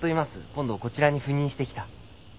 今度こちらに赴任してきた。